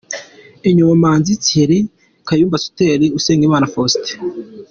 Inyuma: Manzi Thierry, Kayumba Sother, Usengimana Faustin.